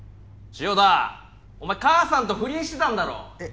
潮田お前母さんと不倫してたんだろ？え？